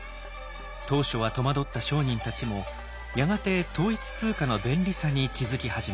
当初は戸惑った商人たちもやがて統一通貨の便利さに気付き始めます。